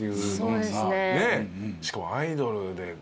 しかもアイドルで。